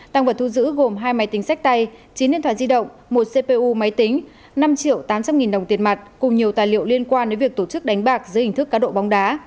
tăng vật thu giữ gồm hai máy tính sách tay chín điện thoại di động một cpu máy tính năm triệu tám trăm linh nghìn đồng tiền mặt cùng nhiều tài liệu liên quan đến việc tổ chức đánh bạc dưới hình thức cá độ bóng đá